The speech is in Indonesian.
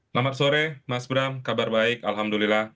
selamat sore mas bram kabar baik alhamdulillah